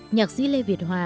nhạc sĩ lê việt hòa